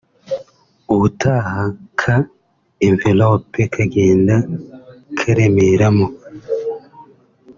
ubutaha ka Envelope kagenda karemeramo”